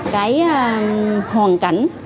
cái hoàn cảnh